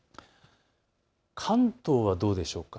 関東はどうでしょう。